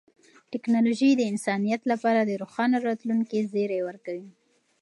ټیکنالوژي د انسانیت لپاره د روښانه راتلونکي زیری ورکوي.